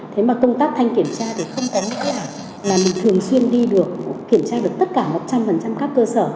thế mà công tác thanh kiểm tra thì không có là mình thường xuyên đi được kiểm tra được tất cả một trăm linh các cơ sở